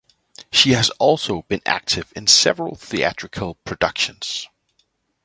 She has also been active in several theatrical productions.